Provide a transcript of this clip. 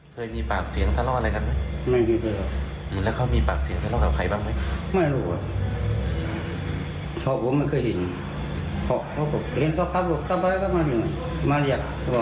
ชอบว่ามันเคยเห็นเพราะเรียนเท่าไหร่ก็มาเรียก